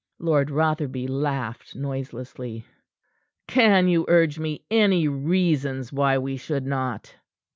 Lord Rotherby laughed noiselessly. "Can you urge me any reasons why we should not?"